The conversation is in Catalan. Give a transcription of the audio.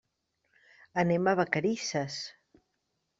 Anem a Vacarisses.